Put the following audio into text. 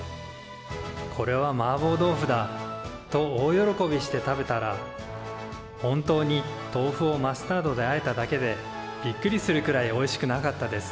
「これはマーボーどうふだ！」と大喜びして食べたら本当にとうふをマスタードであえただけでびっくりするくらいおいしくなかったです。